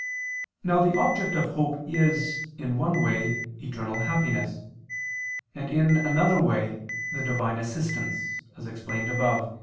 Now the object of hope is, in one way, eternal happiness, and in another way, the Divine assistance, as explained above (A.